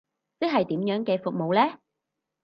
即係點樣嘅服務呢？